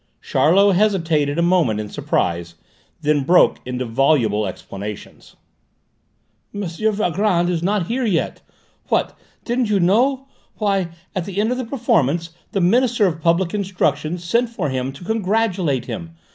Charlot hesitated a moment in surprise, then broke into voluble explanations. "M. Valgrand is not here yet. What, didn't you know? Why, at the end of the performance the Minister of Public Instruction sent for him to congratulate him!